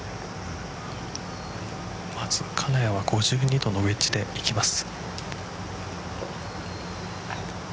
金谷は５２度のウェッジでいきます。